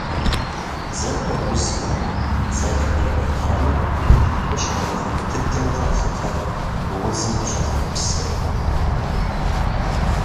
Дзэхэр узмэ, дзэлхэр бэгамэ – хущхъуэ нэхъыфӏ дыдэу къалъытэр мы удзым къыщӏэжа псыр.